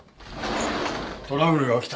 トラブルが起きた。